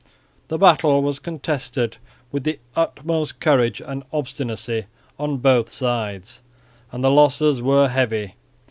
The battle was contested with the utmost courage and obstinacy on both sides and the losses were heavy.